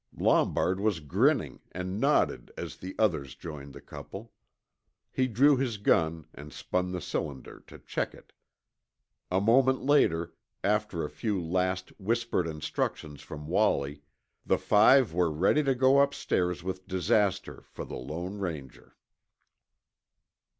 Lombard was grinning and nodded as the others joined the couple. He drew his gun and spun the cylinder to check it. A moment later, after a few last, whispered instructions from Wallie, the five were ready to go upstairs with disaster for the Lone Ranger.